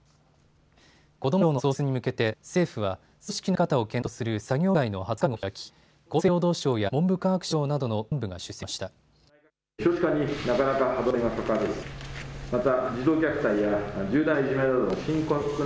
こども庁の創設に向けて政府は組織の在り方を検討する作業部会の初会合を開き厚生労働省や文部科学省などの幹部が出席しました。